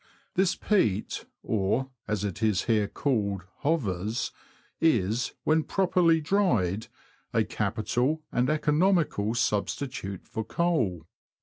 This peat, or, as it is here called, '^ hovers," is, when properly dried, a capital and economical substitute for coal.